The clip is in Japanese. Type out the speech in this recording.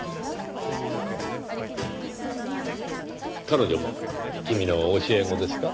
彼女も君の教え子ですか？